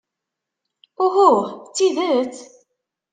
Uhuh! D tidet?